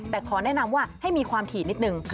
แต่ขอแนะนำว่าให้มีความถี่นิดนึง